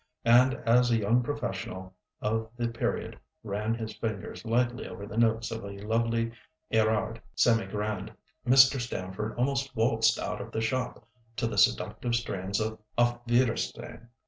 And, as a young professional of the period ran his fingers lightly over the notes of a lovely Erard semi grand, Mr. Stamford almost waltzed out of the shop, to the seductive strains of "Auf Wiedersehn."